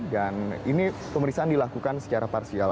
dan ini pemeriksaan dilakukan secara parsial